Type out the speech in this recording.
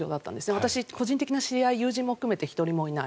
私個人的な知り合い友人も含めて１人もいない。